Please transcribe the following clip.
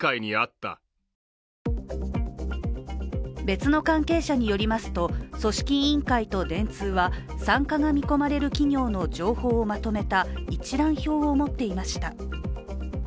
別の関係者によりますと、組織委員会と電通は参加が見込まれる企業の情報をまとめた一覧表を持っていました。